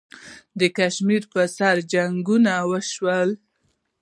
د کشمیر پر سر جنګونه وشول.